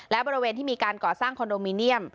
และบริเวณที่มีการก่อสร้างคอนโดมิเนียม